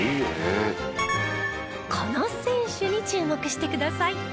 この選手に注目してください。